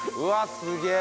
すげえ！